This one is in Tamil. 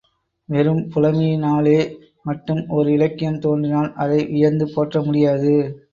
வெறும் புலமையினாலே மட்டும் ஓர் இலக்கியம் தோன்றினால் அதை வியந்து போற்ற முடியாது.